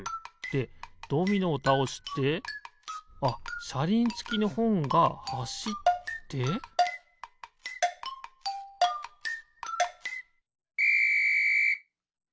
でドミノをたおしてあっしゃりんつきのほんがはしってピッ！